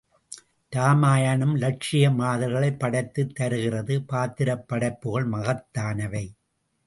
இராமயணம் லட்சிய மாந்தர்களைப் படைத்துத் தருகிறது பாத்திரப் படைப்புகள் மகத்தானவை.